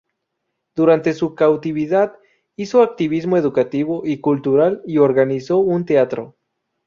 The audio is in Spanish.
Durante su cautividad, hizo activismo educativo y cultural y organizó un teatro.